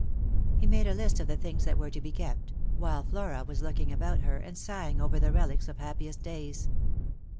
He made a list of the things that were to be kept ; while Flora was looking about her, and sighing over the relics of happiest days.